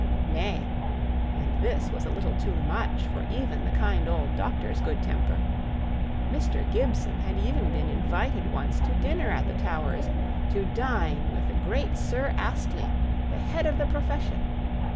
Nay and this was a little too much for even the kind old doctor's good temper Mr. Gibson had even been invited once to dinner at the Towers, to dine with the great Sir Astley, the head of the profession!